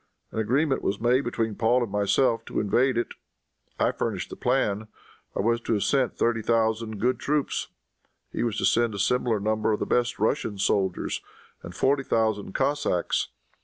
An agreement was made between Paul and myself to invade it. I furnished the plan. I was to have sent thirty thousand good troops. He was to send a similar number of the best Russian soldiers, and forty thousand Cossacks.